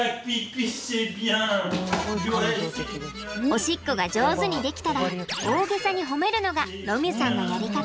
おしっこが上手にできたら大げさにほめるのがロミュさんのやり方。